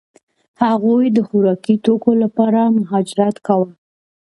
هغوی د خوراکي توکو لپاره مهاجرت کاوه.